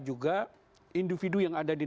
juga individu yang ada di